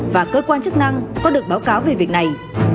và cơ quan chức năng có được báo cáo về việc này